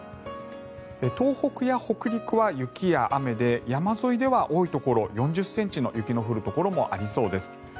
東北や北陸は雪や雨で山沿いでは多いところ４０ｃｍの雪の降るところもありそうです。